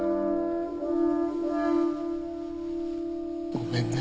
ごめんね。